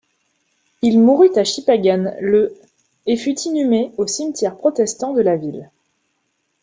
Il mourut à Shippagan le et fut inhumé au cimetière protestant de la ville.